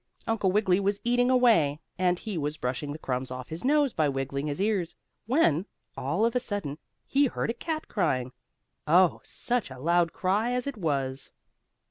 Uncle Wiggily was eating away, and he was brushing the crumbs off his nose by wiggling his ears, when, all of a sudden, he heard a cat crying. Oh, such a loud cry as it was!